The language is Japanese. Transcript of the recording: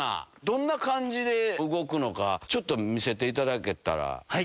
どんな感じで動くのかちょっと見せていただけたら。